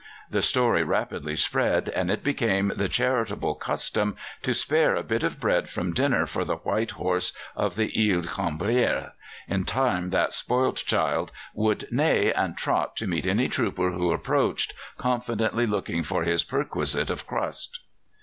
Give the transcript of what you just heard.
The story rapidly spread, and it became the charitable custom to spare a bit of bread from dinner for the white horse of the Ile Cambière. In time that spoilt child would neigh and trot to meet any trooper who approached, confidently looking for his perquisite of crust.